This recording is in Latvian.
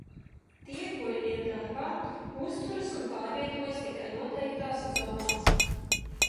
Tie, kuri ir darbā, uzturas un pārvietojas tikai noteiktās zonās.